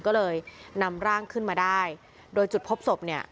ก็เลยนำร่างขึ้นมาได้โดยจุดพบศพเนี่ย